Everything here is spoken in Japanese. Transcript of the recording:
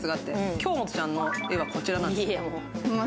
京本ちゃんの絵はこちらなんです。